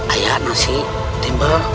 iya masih ada